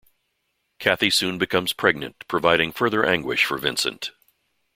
Cathy soon becomes pregnant, providing further anguish for Vincent.